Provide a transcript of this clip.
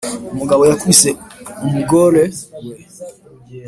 Umugabo yakubise umgore we